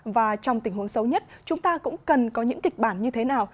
và trong tình huống xấu nhất chúng ta cũng cần có những kịch bản như thế nào